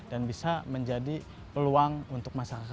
dan bisa menjadi peluang untuk masyarakat untuk membangun kawasan ini